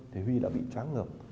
thì huy đã bị chóng ngợp